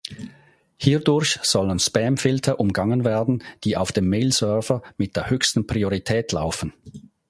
Hierdurch sollen Spamfilter umgangen werden, die auf dem Mailserver mit der höchsten Priorität laufen.